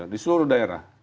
di seluruh daerah